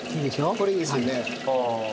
これいいですよね。